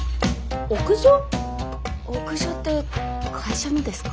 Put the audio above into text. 屋上って会社のですか？